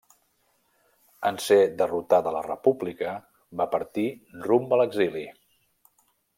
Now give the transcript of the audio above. En ser derrotada la República va partir rumb a l'exili.